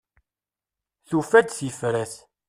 Tufa-d tifrat.